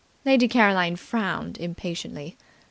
Lady Caroline frowned impatiently.